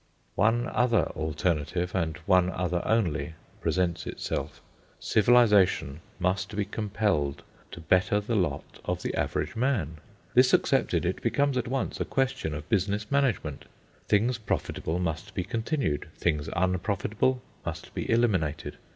One other alternative, and one other only, presents itself. Civilisation must be compelled to better the lot of the average man. This accepted, it becomes at once a question of business management. Things profitable must be continued; things unprofitable must be eliminated.